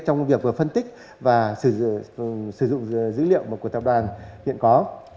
trong việc vừa phân tích và sử dụng dữ liệu của tập đoàn hiện có